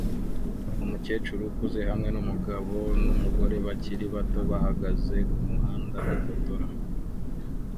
Umukecuru ukuze hamwe numugabo n'umugore bakiri bato bahagaze kumuhanda bifotora